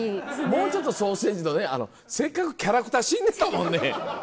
もうちょっとソーセージとねキャラクター死んでたもんね。